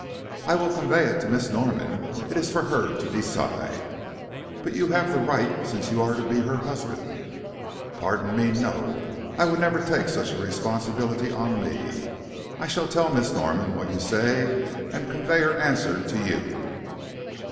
"I will convey it to Miss Norman. It is for her to decide." "But you have the right since you are to be her husband." "Pardon me, no. I would never take such a responsibility on me. I shall tell Miss Norman what you say, and convey her answer to you."